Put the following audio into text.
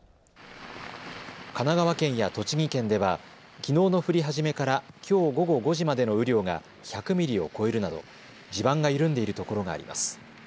神奈川県や栃木県ではきのうの降り始めからきょう午後５時までの雨量が１００ミリを超えるなど地盤が緩んでいるところがあります。